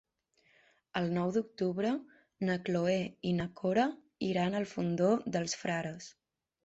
El nou d'octubre na Cloè i na Cora iran al Fondó dels Frares.